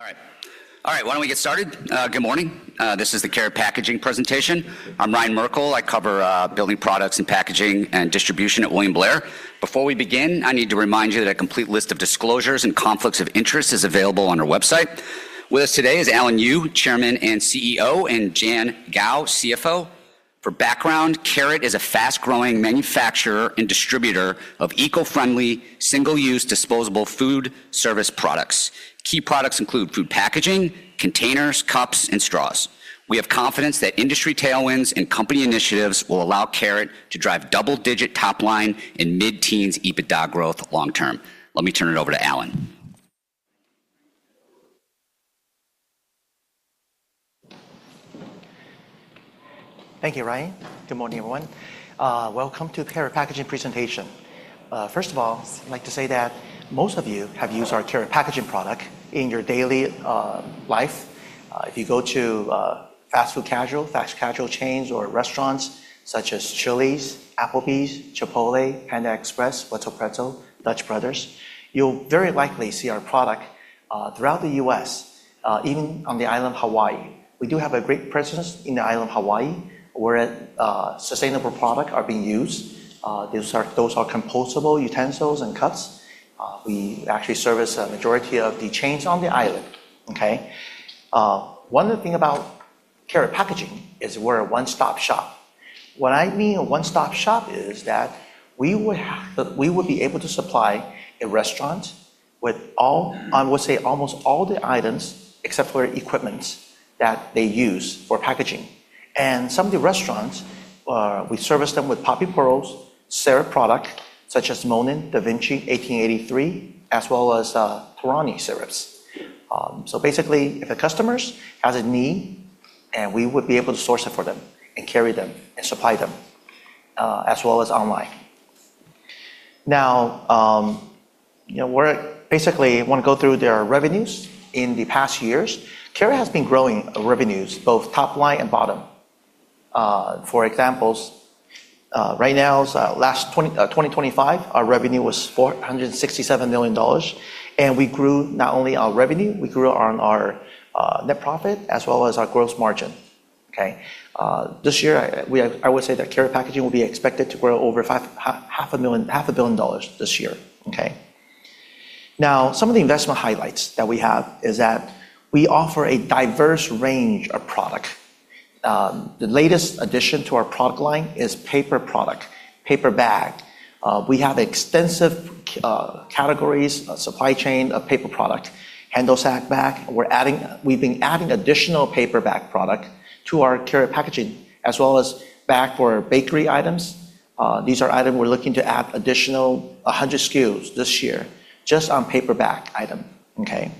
All right. Why don't we get started? Good morning. This is the Karat Packaging presentation. I'm Ryan Merkel. I cover building products and packaging and distribution at William Blair. Before we begin, I need to remind you that a complete list of disclosures and conflicts of interest is available on our website. With us today is Alan Yu, Chairman and CEO, and Jian Guo, CFO. For background, Karat is a fast-growing manufacturer and distributor of eco-friendly, single-use, disposable food service products. Key products include food packaging, containers, cups, and straws. We have confidence that industry tailwinds and company initiatives will allow Karat to drive double-digit top line and mid-teens EBITDA growth long term. Let me turn it over to Alan. Thank you, Ryan. Good morning, everyone. Welcome to Karat Packaging presentation. First of all, I'd like to say that most of you have used our Karat Packaging product in your daily life. If you go to fast casual chains or restaurants such as Chili's, Applebee's, Chipotle, Panda Express, Wetzel's Pretzels, Dutch Bros, you'll very likely see our product throughout the U.S., even on the island of Hawaii. We do have a great presence in the island of Hawaii, where sustainable product are being used. Those are compostable utensils and cups. We actually service a majority of the chains on the island. Okay. One other thing about Karat Packaging is we're a one-stop shop. What I mean a one-stop shop is that we would be able to supply a restaurant with, I would say, almost all the items, except for equipments, that they use for packaging. Some of the restaurants, we service them with popping pearls, syrup product, such as Monin, DaVinci 1883, as well as Torani syrups. Basically, if a customer has a need, we would be able to source it for them and carry them and supply them, as well as online. We basically want to go through their revenues in the past years. Karat has been growing revenues, both top line and bottom. For example, right now, 2025, our revenue was $467 million, and we grew not only our revenue, we grew our net profit as well as our gross margin. This year, I would say that Karat Packaging will be expected to grow over $500 million this year. Some of the investment highlights that we have is that we offer a diverse range of product. The latest addition to our product line is paper product, paper bag. We have extensive categories, a supply chain of paper product, handle sack bag. We've been adding additional paper bag product to our Karat Packaging, as well as bag for bakery items. These are item we're looking to add additional 100 SKUs this year, just on paper bag item. Okay?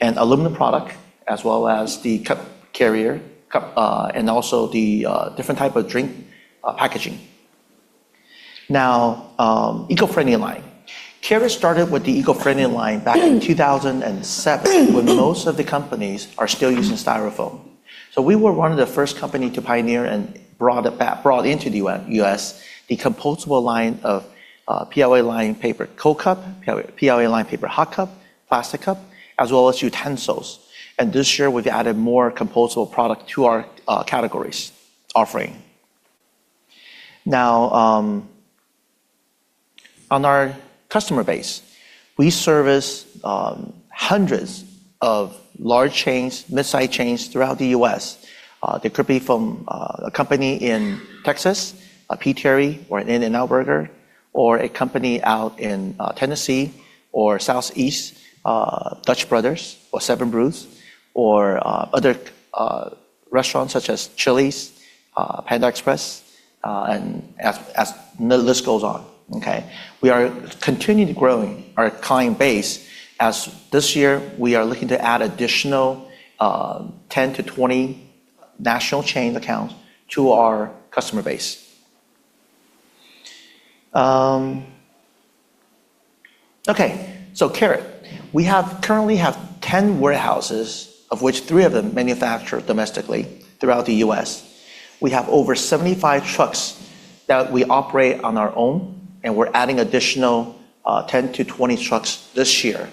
Aluminum product, as well as the cup carrier, and also the different type of drink packaging. Now, eco-friendly line. Karat started with the eco-friendly line back in 2007, when most of the companies are still using Styrofoam. We were one of the first company to pioneer and brought into the U.S. the compostable line of PLA lined paper cold cup, PLA lined paper hot cup, plastic cup, as well as utensils. This year, we've added more compostable product to our categories offering. On our customer base, we service hundreds of large chains, mid-size chains throughout the U.S. They could be from a company in Texas, a P. Terry's or an In-N-Out Burger, or a company out in Tennessee or Southeast, Dutch Bros or 7 Brew, or other restaurants such as Chili's, Panda Express, and the list goes on. Okay. We are continuing to growing our client base, as this year we are looking to add additional 10-20 national chain accounts to our customer base. Okay. Karat. We currently have 10 warehouses, of which three of them manufacture domestically throughout the U.S. We have over 75 trucks that we operate on our own, and we're adding additional 10-20 trucks this year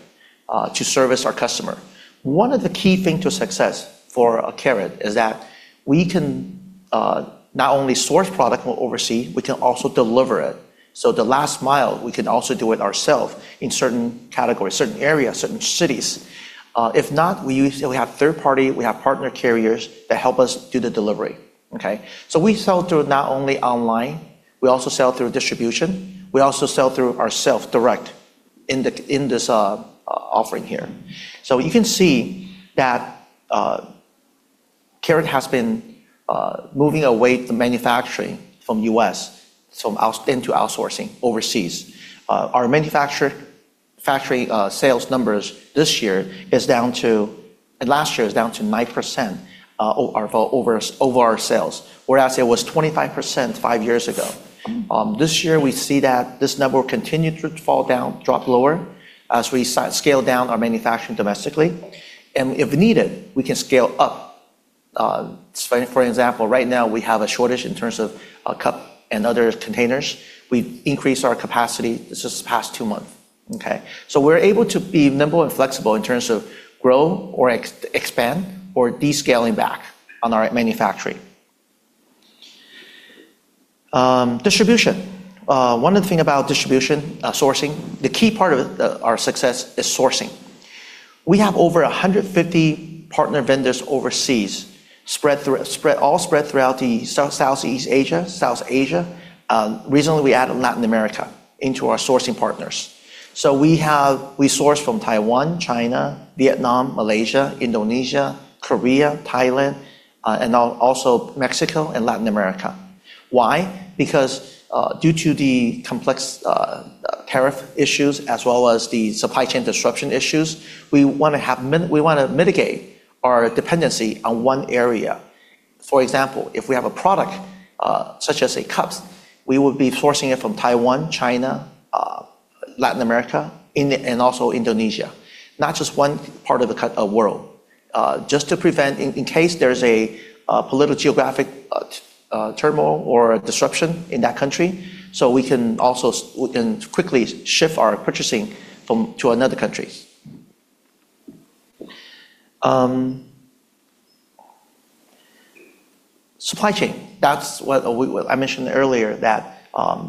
to service our customer. One of the key thing to success for Karat is that we can not only source product from overseas, we can also deliver it. The last mile, we can also do it ourself in certain categories, certain areas, certain cities. If not, we have third party, we have partner carriers that help us do the delivery. Okay? We sell through not only online, we also sell through distribution. We also sell through ourself direct in this offering here. You can see that Karat has been moving away the manufacturing from U.S. into outsourcing overseas. Our factory sales numbers this year is down to, and last year, is down to 9% of our sales, whereas it was 25% five years ago. This year, we see that this number will continue to fall down, drop lower as we scale down our manufacturing domestically. If needed, we can scale up. For example, right now we have a shortage in terms of cup and other containers. We increased our capacity just this past two months. Okay? We're able to be nimble and flexible in terms of grow or expand or descaling back on our manufacturing. Distribution. One of the things about distribution, sourcing, the key part of our success is sourcing. We have over 150 partner vendors overseas, all spread throughout the Southeast Asia, South Asia. Recently, we added Latin America into our sourcing partners. We source from Taiwan, China, Vietnam, Malaysia, Indonesia, Korea, Thailand, and now also Mexico and Latin America. Why? Due to the complex tariff issues as well as the supply chain disruption issues, we want to mitigate our dependency on one area. For example, if we have a product such as cups, we would be sourcing it from Taiwan, China, Latin America, and also Indonesia. Not just one part of the world. Just to prevent in case there's a political geographic turmoil or disruption in that country, so we can quickly shift our purchasing to another country. Supply chain. That's what I mentioned earlier, that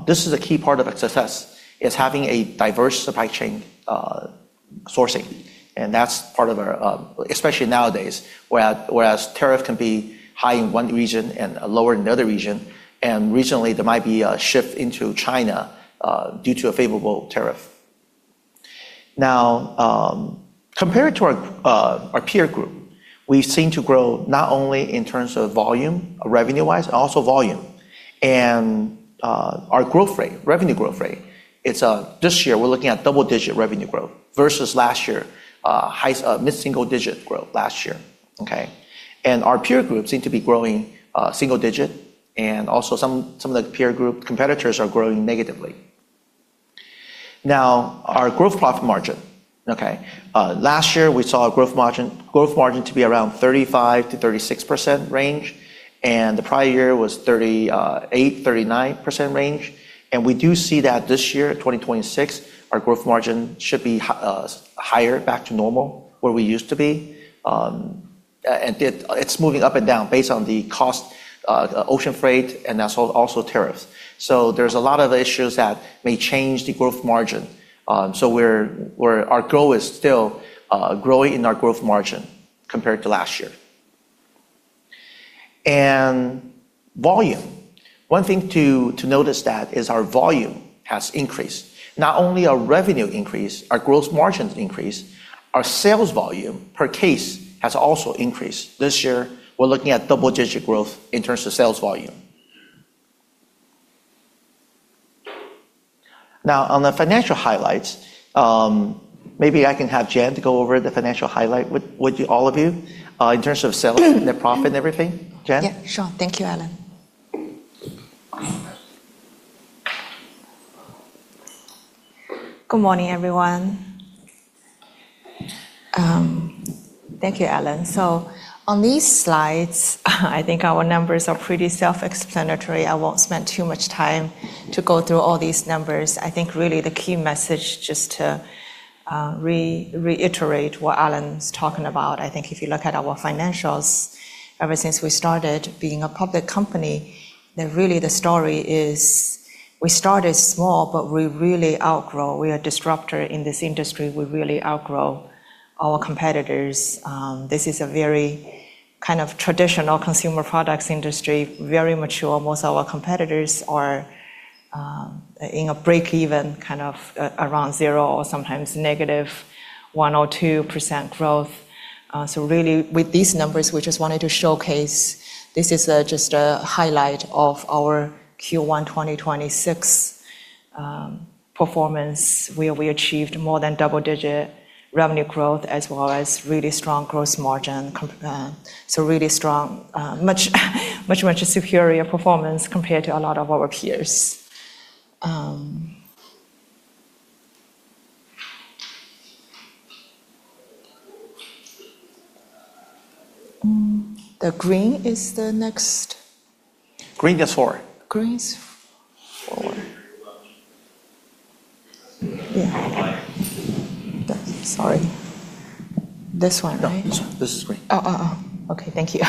this is a key part of our success is having a diverse supply chain sourcing. Especially nowadays, whereas tariff can be high in one region and lower in the other region. Recently there might be a shift into China due to a favorable tariff. Compared to our peer group, we seem to grow not only in terms of volume, revenue-wise, also volume. Our growth rate, revenue growth rate, this year we're looking at double-digit revenue growth versus last year, mid-single digit growth last year. Okay? Our peer group seem to be growing single digit. Also some of the peer group competitors are growing negatively. Now, our gross profit margin. Okay. Last year, we saw gross margin to be around 35%-36% range, the prior year was 38%-39% range. We do see that this year in 2026, our gross margin should be higher, back to normal, where we used to be. It's moving up and down based on the cost, ocean freight, and also tariffs. There's a lot of issues that may change the gross margin. Our goal is still growing in our gross margin compared to last year. Volume. One thing to notice is our volume has increased. Not only our revenue increased, our gross margins increased, our sales volume per case has also increased. This year, we're looking at double-digit growth in terms of sales volume. On the financial highlights, maybe I can have Jian to go over the financial highlight with all of you in terms of sales, the profit and everything. Jian? Yeah, sure. Thank you, Alan. Good morning, everyone. Thank you, Alan. On these slides I think our numbers are pretty self-explanatory. I won't spend too much time to go through all these numbers. I think really the key message, just to reiterate what Alan's talking about, I think if you look at our financials, ever since we started being a public company, really the story is we started small, but we really outgrow. We are a disruptor in this industry. We really outgrow our competitors. This is a very kind of traditional consumer products industry, very mature. Most of our competitors are in a break-even kind of around zero or sometimes -1% or -2% growth. Really with these numbers, we just wanted to showcase, this is just a highlight of our Q1 2026 performance, where we achieved more than double-digit revenue growth as well as really strong gross margin. Really strong. Much superior performance compared to a lot of our peers. The green is the next-. Green is forward. Green is forward. Four. Yeah. Sorry. This one, right? No. This is green. Okay. Thank you.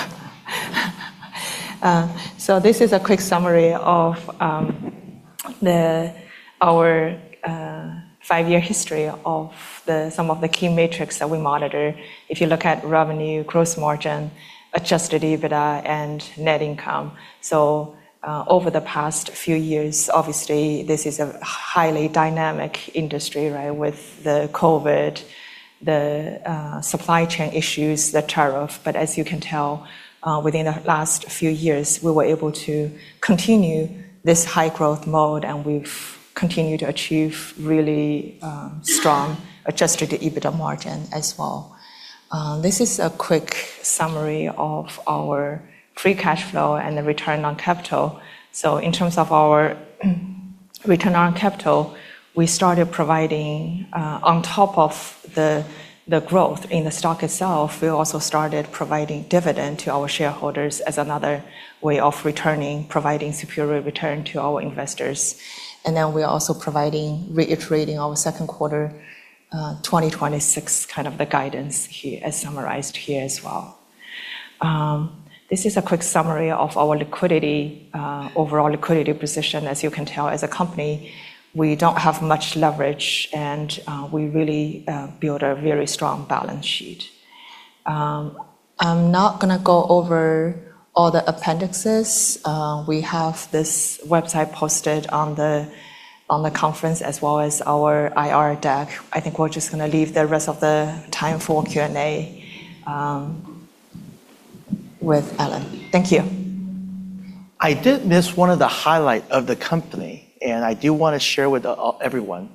This is a quick summary of our five-year history of some of the key metrics that we monitor. If you look at revenue, gross margin, adjusted EBITDA, and net income. Over the past few years, obviously, this is a highly dynamic industry, right? With the COVID, the supply chain issues, the tariff. As you can tell, within the last few years, we were able to continue this high growth mode and we've continued to achieve really strong adjusted EBITDA margin as well. This is a quick summary of our free cash flow and the return on capital. In terms of return on capital. We started providing on top of the growth in the stock itself, we also started providing dividend to our shareholders as another way of providing superior return to our investors. We're also reiterating our second quarter 2026, kind of the guidance as summarized here as well. This is a quick summary of our overall liquidity position. As you can tell, as a company, we don't have much leverage and we really build a very strong balance sheet. I'm not going to go over all the appendixes. We have this website posted on the conference as well as our IR deck. I think we're just going to leave the rest of the time for Q&A with Alan. Thank you. I did miss one of the highlight of the company, and I do want to share with everyone.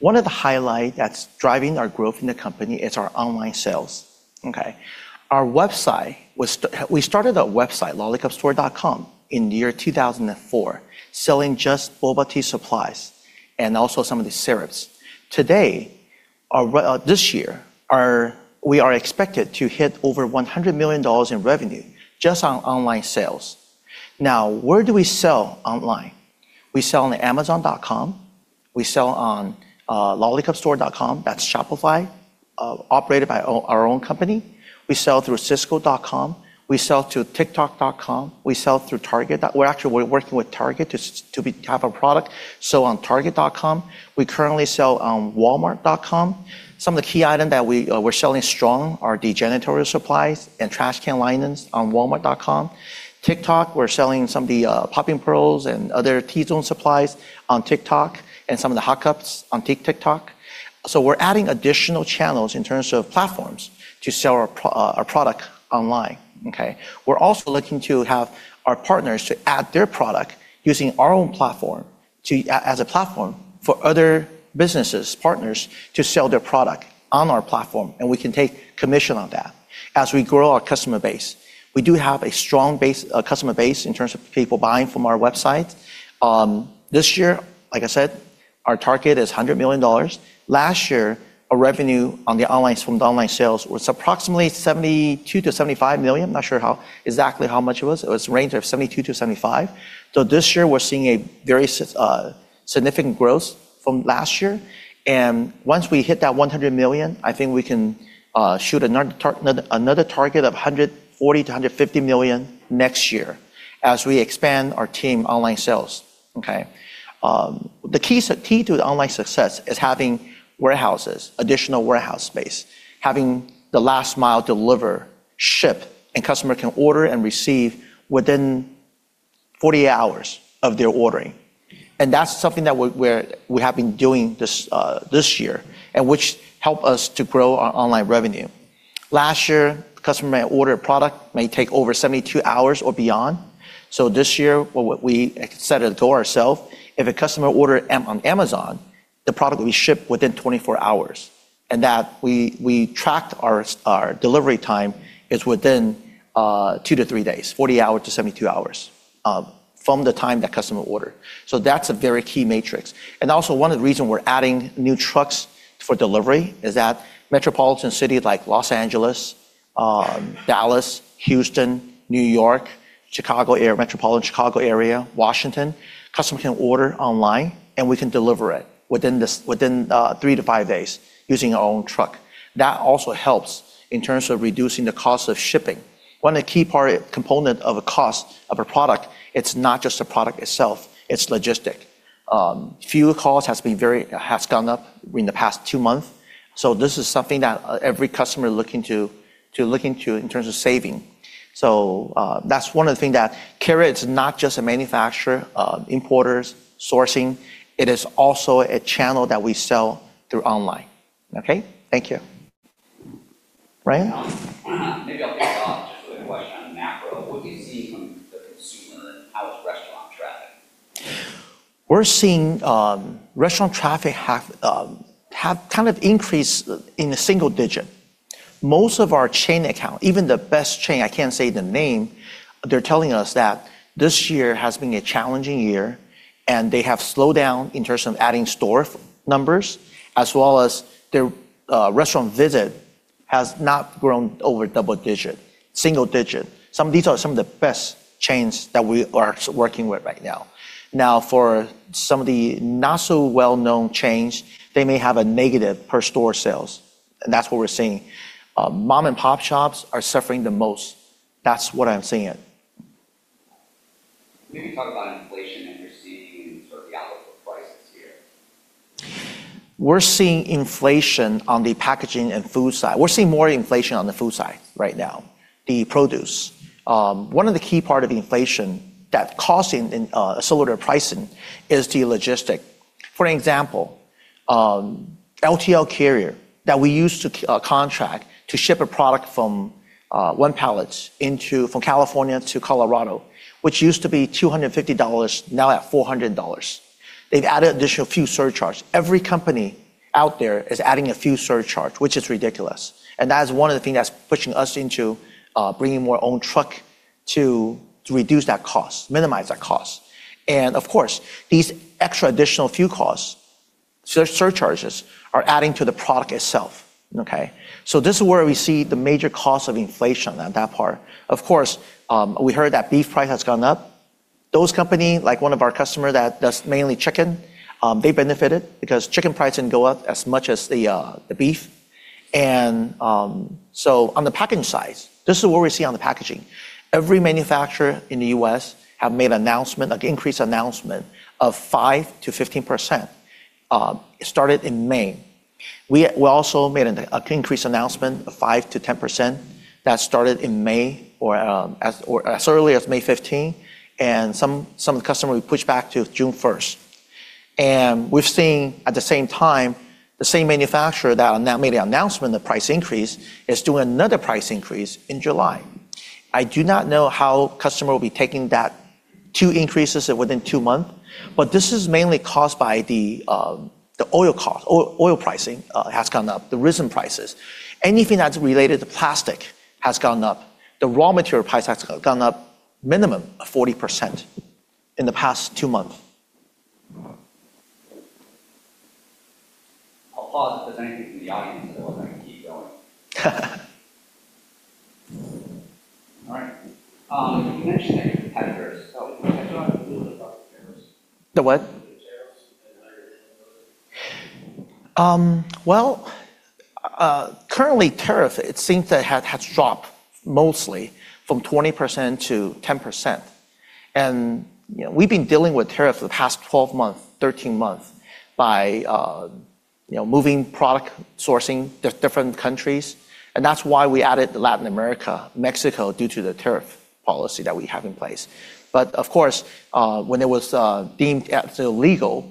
One of the highlight that's driving our growth in the company is our online sales. Okay. We started a website, lollicupstore.com, in the year 2004, selling just boba tea supplies and also some of the syrups. Today, this year, we are expected to hit over $100 million in revenue just on online sales. Now, where do we sell online? We sell on amazon.com. We sell on lollicupstore.com, that's Shopify, operated by our own company. We sell through sysco.com. We sell through tiktok.com. We sell through Target. We're actually working with Target to have a product sell on target.com. We currently sell on walmart.com. Some of the key items that we're selling strong are the janitorial supplies and trash can linings on walmart.com. TikTok, we're selling some of the popping pearls and other Tea Zone supplies on TikTok, and some of the hot cups on TikTok. We're adding additional channels in terms of platforms to sell our product online. Okay? We're also looking to have our partners to add their product using our own platform as a platform for other businesses, partners, to sell their product on our platform. We can take commission on that as we grow our customer base. We do have a strong customer base in terms of people buying from our website. This year, like I said, our target is $100 million. Last year, our revenue from the online sales was approximately $72 million-$75 million. Not sure exactly how much it was. It was a range of $72 million-$75 million. This year, we're seeing a very significant growth from last year. Once we hit that $100 million, I think we can shoot another target of $140 million-$150 million next year as we expand our team online sales. The key to the online success is having warehouses, additional warehouse space. Having the last mile deliver, ship, and customer can order and receive within 48 hours of their ordering. That's something that we have been doing this year, and which help us to grow our online revenue. Last year, customer may order a product, may take over 72 hours or beyond. This year, we set a goal ourself, if a customer order on Amazon, the product will be shipped within 24 hours. That we tracked our delivery time is within two to three days, 48 hours-72 hours, from the time that customer order. That's a very key metric. One of the reasons we're adding new trucks for delivery is that metropolitan cities like L.A., Dallas, Houston, New York, metropolitan Chicago area, Washington, customer can order online, and we can deliver it within three to five days using our own truck. That also helps in terms of reducing the cost of shipping. One of the key components of a cost of a product, it's not just the product itself, it's logistics. Fuel cost has gone up in the past two months. This is something that every customer to look into in terms of saving. That's one of the things that Karat is not just a manufacturer, importer, sourcing. It is also a channel that we sell through online. Okay? Thank you. Ryan? Maybe I'll kick off just with a question on macro. What are you seeing from the consumer? How is restaurant traffic? We're seeing restaurant traffic have kind of increased in a single digit. Most of our chain account, even the best chain, I can't say the name, they're telling us that this year has been a challenging year, and they have slowed down in terms of adding store numbers as well as their restaurant visit has not grown over double digit. Single digit. These are some of the best chains that we are working with right now. Now for some of the not so well-known chains, they may have a negative per store sales. That's what we're seeing. Mom and pop shops are suffering the most. That's what I'm seeing. Maybe talk about inflation and you're seeing sort of the outlook for prices here. We're seeing inflation on the packaging and food side. We're seeing more inflation on the food side right now, the produce. One of the key part of the inflation that causing a similar pricing is the logistics. For an example, LTL carrier that we used to contract to ship a product from one pallet from California to Colorado, which used to be $250, now at $400. They've added additional fuel surcharge. Every company out there is adding a fuel surcharge, which is ridiculous. That is one of the thing that's pushing us into bringing more own truck to reduce that cost, minimize that cost. Of course, these extra additional fuel costs, surcharges, are adding to the product itself. Okay? This is where we see the major cost of inflation on that part. Of course, we heard that beef price has gone up. Those company, like one of our customer that does mainly chicken, they benefited because chicken price didn't go up as much as the beef. On the packaging side, this is what we see on the packaging. Every manufacturer in the U.S. have made an increase announcement of 5%-15%. It started in May. We also made an increase announcement of 5%-10% that started in May or as early as May 15. Some customer we pushed back to June 1st. We've seen at the same time the same manufacturer that made the announcement of price increase is doing another price increase in July. I do not know how customer will be taking that two increases within two month, but this is mainly caused by the oil cost, oil pricing has gone up, the resin prices. Anything that's related to plastic has gone up. The raw material price has gone up minimum of 40% in the past two month. I'll pause if there's anything from the audience, or otherwise I can keep going. All right. You mentioned your competitors. Can you talk a little bit about the tariffs? The what? The tariffs and how you're handling those? Well, currently tariff, it seems to had dropped mostly from 20% to 10%. We've been dealing with tariff the past 12 month, 13 month by moving product sourcing to different countries, and that's why we added Latin America, Mexico, due to the tariff policy that we have in place. Of course, when it was deemed illegal,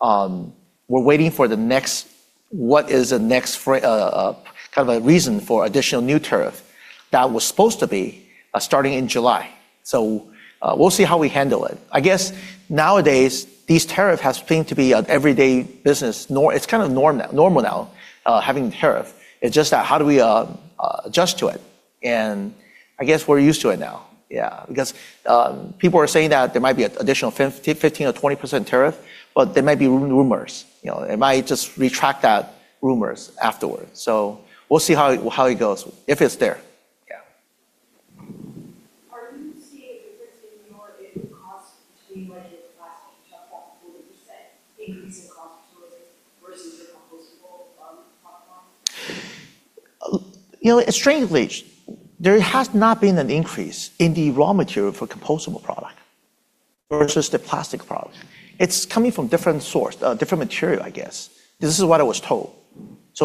we're waiting for the next, what is the next kind of a reason for additional new tariff. That was supposed to be starting in July. We'll see how we handle it. I guess nowadays these tariff has seemed to be an everyday business. It's kind of normal now having tariff. It's just that how do we adjust to it? I guess we're used to it now. Yeah. People are saying that there might be additional 15% or 20% tariff, but they might be rumors. It might just retract that rumors afterwards. We'll see how it goes, if it's there. Yeah. Are you seeing a difference in your input cost between when you had plastic versus compostable product? Strangely, there has not been an increase in the raw material for compostable product versus the plastic product. It's coming from different source, different material, I guess. This is what I was told.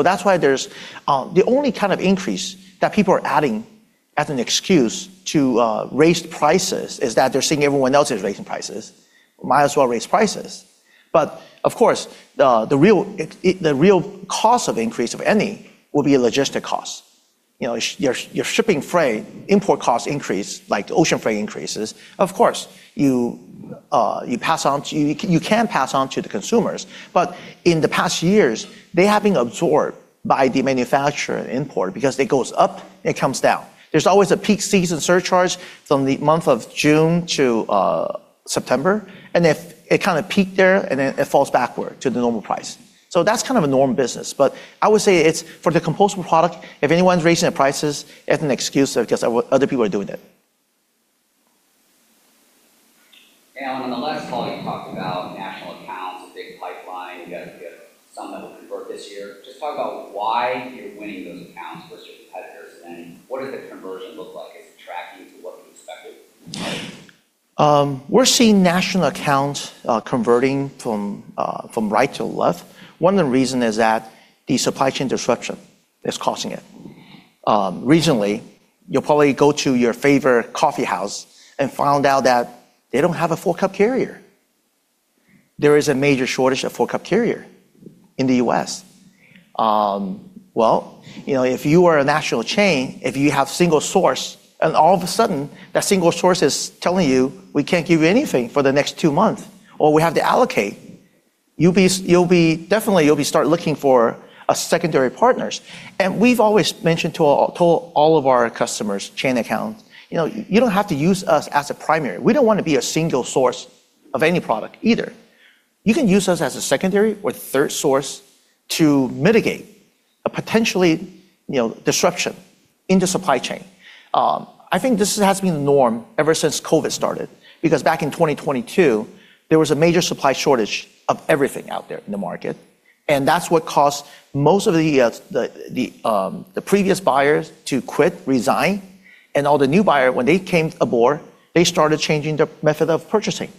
That's why there's the only kind of increase that people are adding as an excuse to raise prices is that they're seeing everyone else is raising prices, might as well raise prices. Of course, the real cost of increase, if any, will be logistic cost. Your shipping freight import cost increase, like the ocean freight increases, of course, you can pass on to the consumers. In the past years, they have been absorbed by the manufacturer and importer because it goes up and it comes down. There's always a peak season surcharge from the month of June to September. It kind of peak there, and then it falls backward to the normal price. That's kind of a normal business. I would say for the compostable product, if anyone's raising the prices as an excuse, because other people are doing it. Alan, on the last call, you talked about national accounts, a big pipeline. You guys get some that will convert this year. Just talk about why you're winning those accounts versus your competitors, and what does the conversion look like? Is it tracking to what you expected? We're seeing national accounts converting from right to left. One of the reason is that the supply chain disruption is causing it. Recently, you probably go to your favorite coffee house and found out that they don't have a four-cup carrier. There is a major shortage of four-cup carrier in the U.S. Well, if you are a national chain, if you have single source and all of a sudden that single source is telling you, "We can't give you anything for the next two month," or, "We have to allocate," definitely you'll be start looking for a secondary partners. We've always mentioned to all of our customers, chain accounts, you don't have to use us as a primary. We don't want to be a single source of any product either. You can use us as a secondary or third source to mitigate a potentially disruption in the supply chain. I think this has been the norm ever since COVID started, because back in 2022, there was a major supply shortage of everything out there in the market, and that's what caused most of the previous buyers to quit, resign, and all the new buyer, when they came aboard, they started changing their method of purchasing,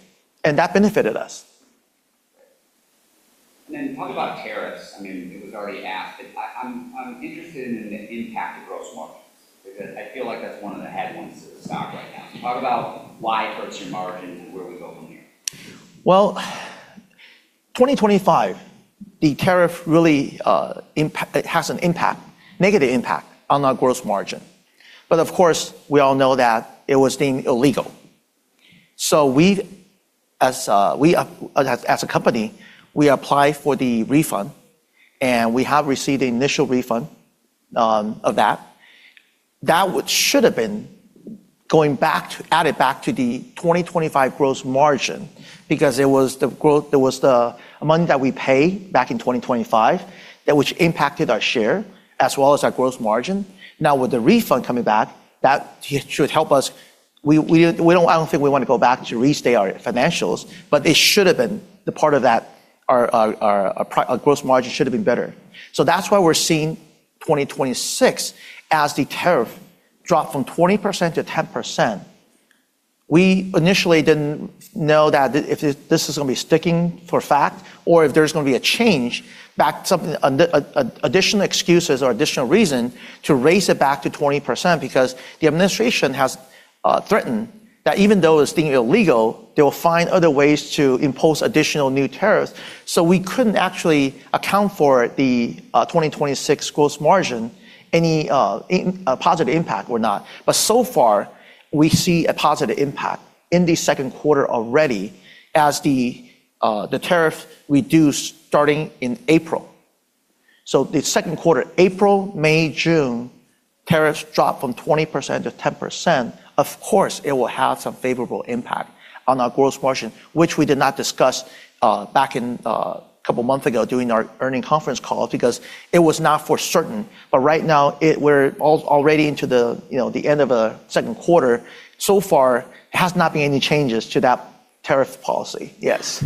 and that benefited us. Talk about tariffs. I mean, it was already asked, but I'm interested in the impact to gross margins because I feel like that's one of the headwinds to the stock right now. Talk about why it hurts your margin and where we go from here. Well, 2025, the tariff really has an impact, negative impact on our gross margin. Of course, we all know that it was deemed illegal. As a company, we applied for the refund, and we have received the initial refund of that. That should have been added back to the 2025 gross margin because it was the money that we paid back in 2025, which impacted our share as well as our gross margin. With the refund coming back, that should help us. I don't think we want to go back to restate our financials, but our gross margin should've been better. That's why we're seeing 2026 as the tariff dropped from 20% to 10%. We initially didn't know that if this is going to be sticking for a fact or if there's going to be a change back, additional excuses or additional reason to raise it back to 20%, because the administration has threatened that even though it's deemed illegal, they will find other ways to impose additional new tariffs. We couldn't actually account for the 2026 gross margin, any positive impact or not. So far, we see a positive impact in the second quarter already as the tariff reduced starting in April. The second quarter, April, May, June, tariffs dropped from 20% to 10%, of course, it will have some favorable impact on our gross margin, which we did not discuss back a couple months ago during our earning conference call because it was not for certain. Right now, we're already into the end of the second quarter. So far, there has not been any changes to that tariff policy. Yes.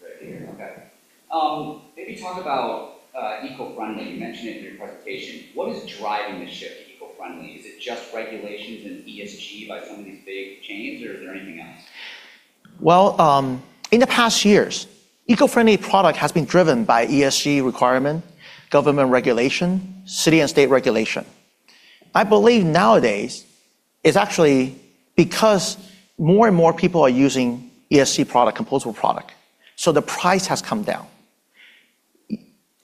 Right here. Okay. Maybe talk about eco-friendly. You mentioned it in your presentation. What is driving the shift to eco-friendly? Is it just regulations and ESG by some of these big chains, or is there anything else? Well, in the past years, eco-friendly product has been driven by ESG requirement, government regulation, city and state regulation. I believe nowadays it's actually because more and more people are using ESG product, compostable product, the price has come down.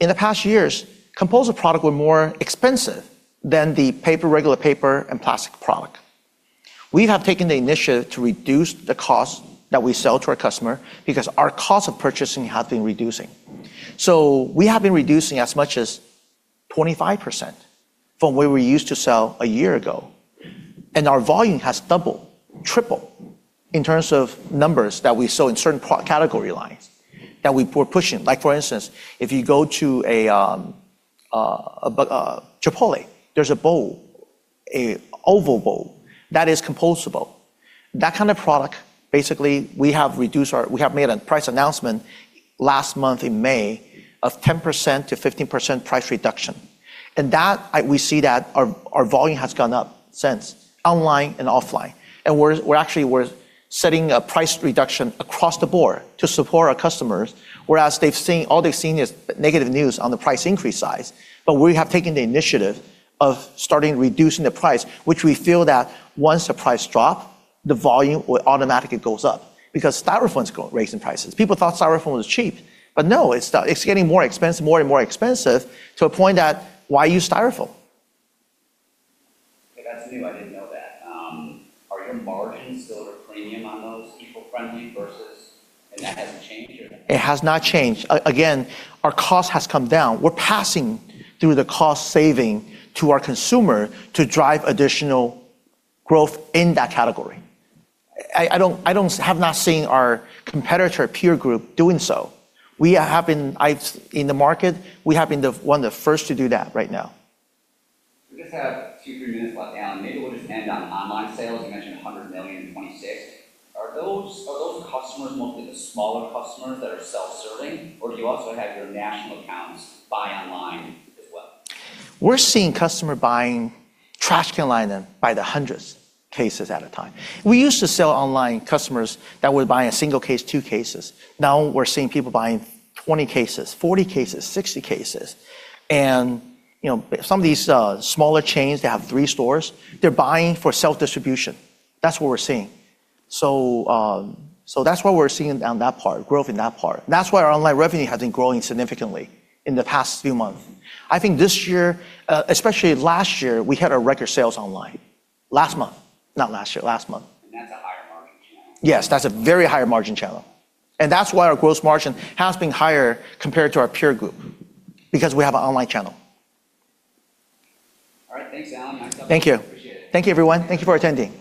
In the past years, compostable product were more expensive than the regular paper and plastic product. We have taken the initiative to reduce the cost that we sell to our customer because our cost of purchasing has been reducing. We have been reducing as much as 25% from where we used to sell a year ago, and our volume has doubled, tripled in terms of numbers that we sell in certain category lines that we're pushing. Like for instance, if you go to Chipotle, there's a bowl, an oval bowl that is compostable. That kind of product, basically, we have made a price announcement last month in May of 10%-15% price reduction. That, we see that our volume has gone up since, online and offline. We're actually setting a price reduction across the board to support our customers, whereas all they've seen is negative news on the price increase side. We have taken the initiative of starting reducing the price, which we feel that once the price drop, the volume automatically goes up because Styrofoam is raising prices. People thought Styrofoam was cheap. No, it's getting more and more expensive to a point that why use Styrofoam? That's new. I didn't know that. Are your margins still at a premium on those eco-friendly versus--? That hasn't changed or-? It has not changed. Again, our cost has come down. We're passing through the cost saving to our consumer to drive additional growth in that category. I have not seen our competitor peer group doing so. In the market, we have been one of the first to do that right now. We just have two, three minutes left, Alan. Maybe we'll just end on online sales. You mentioned $100 million in 2026. Are those customers mostly the smaller customers that are self-serving, or do you also have your national accounts buy online as well? We're seeing customer buying trash can lining by the hundreds cases at a time. We used to sell online customers that would buy a single case, two cases. Now we're seeing people buying 20 cases, 40 cases, 60 cases. Some of these smaller chains, they have three stores. They're buying for self-distribution. That's what we're seeing. That's what we're seeing on that part, growth in that part. That's why our online revenue has been growing significantly in the past few months. I think this year, especially last year, we had our record sales online. Last month, not last year, last month. That's a higher margin channel. Yes, that's a very higher margin channel. That's why our gross margin has been higher compared to our peer group, because we have an online channel. All right. Thanks, Alan. Thank you. Appreciate it. Thank you, everyone. Thank you for attending.